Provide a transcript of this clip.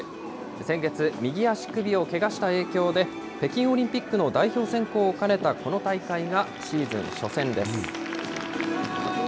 先月、右足首をけがした影響で、北京オリンピックの代表選考を兼ねたこの大会が、シーズン初戦です。